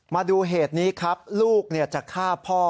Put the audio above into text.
มาดูเหตุนี้ครับลูกจะฆ่าพ่อ